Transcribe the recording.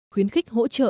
khuyến khích hỗ trợ